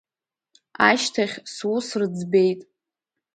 Ашьҭахь сус рыӡбеит…